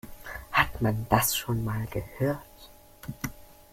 Hat man das schon mal gehört?